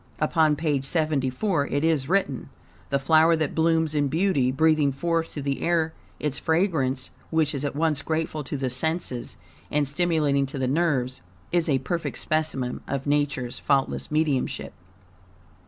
Upon page 74 it is written: "The flower that blooms in beauty, breathing forth to the air its fragrance, which is at once grateful to the senses and stimulating to the nerves, is a perfect specimen of Nature's faultless mediumship.